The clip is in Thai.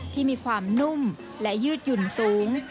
ที่มีความนุ่มและยืดหยุ่นสูง